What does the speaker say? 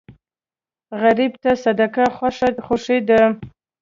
غریب ته صدقه خوښي ده